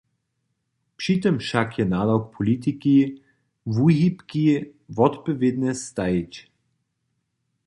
Při tym wšak je nadawk politiki, wuhibki wotpowědnje stajić.